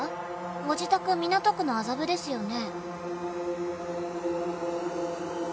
「ご自宅港区の麻布ですよね？」